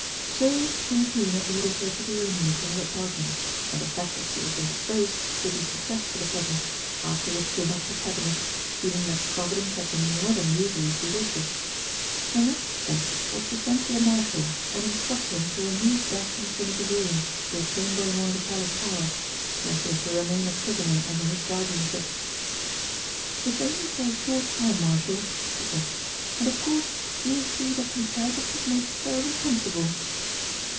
So Queen Selina ordered her to be removed to her apartments, and the fact that she was indisposed to be suppressed for the present, after which she left her Cabinet, feeling that Providence had been more than usually judicious. Her next step was to send for the Marshal and instruct him to remove Daphne from the Pavilion to a chamber in one of the Palace towers, where she was to remain a prisoner under his guardianship. "It's only for a short time, Marshal," she said. "And of course you will see that Miss Heritage is made thoroughly comfortable."